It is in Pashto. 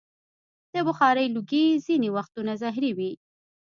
د بخارۍ لوګی ځینې وختونه زهري وي.